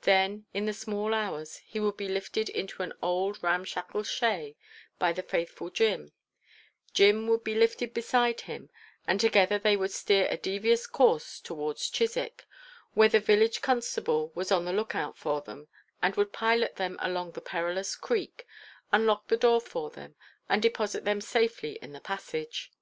Then, in the small hours, he would be lifted into an old, ramshackle shay, by the faithful Jim; Jim would be lifted beside him, and together they would steer a devious course towards Chiswick, where the village constable was on the look out for them, and would pilot them along the perilous Creek, unlock the door for them, and deposit them safely in the passage.